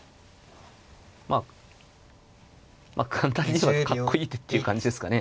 まあ簡単に言えばかっこいい手っていう感じですかね。